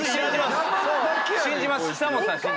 信じます。